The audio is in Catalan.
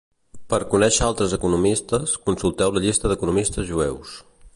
Per conèixer altres economistes, consulteu la llista d'economistes jueus.